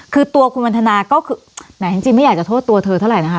คือตัวคุณวันทนาก็คือแหมจริงไม่อยากจะโทษตัวเธอเท่าไหร่นะคะ